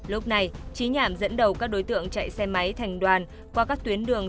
lúc này trí nhảm dẫn đầu các đối tượng chạy xe máy thành đoàn qua các tuyến đường